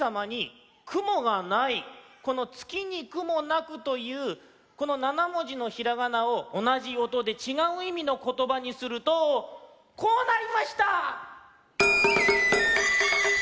この「つきにくもなく」というこの７もじのひらがなをおなじおとでちがういみのことばにするとこうなりました！